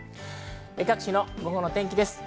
各地の午後のお天気です。